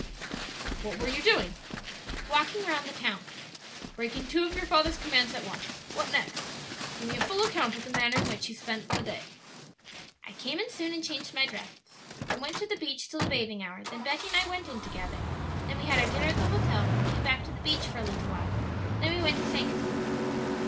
What were you doing?" "Walking round the town." "Breaking two of your father's commands at once. What next? give me a full account of the manner in which you spent the day." "I came in soon and changed my dress; then went to the beach till the bathing hour; then Betty and I went in together; then we had our dinner at the hotel and came back to the beach for a little while; then we went to Sankaty."